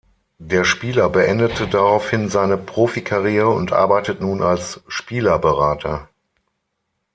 Der Spieler beendete daraufhin seine Profikarriere und arbeitet nun als Spielerberater.